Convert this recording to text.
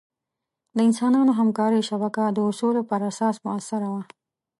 د انسانانو همکارۍ شبکه د اصولو پر اساس مؤثره وه.